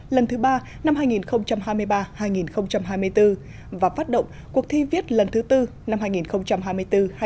lần thứ ba năm hai nghìn hai mươi ba hai nghìn hai mươi bốn và phát động cuộc thi viết lần thứ tư năm hai nghìn hai mươi bốn hai nghìn hai mươi bốn